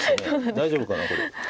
大丈夫かなこれ。